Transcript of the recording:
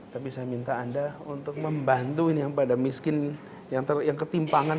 tapi saya minta anda untuk membantu ini yang pada miskin yang ketimpangan